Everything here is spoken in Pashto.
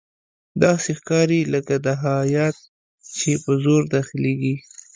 داسې ښکاري لکه دا هیات چې په زور داخليږي.